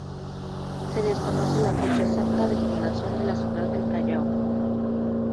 Se desconoce la fecha exacta de fundación de la ciudad del Callao.